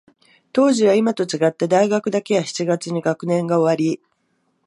当時は、いまと違って、大学だけは七月に学年が終わり、